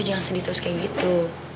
jangan sedih terus kayak gitu